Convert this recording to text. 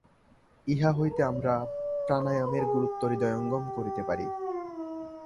ইহা হইতে আমরা প্রাণায়ামের গুরুত্ব হৃদয়ঙ্গম করিতে পারি।